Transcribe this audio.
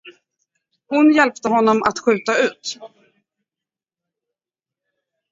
Hon hjälpte honom att skjuta ut.